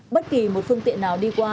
bất kỳ một phương tiện nào đi qua